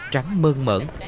trắng mơn mởn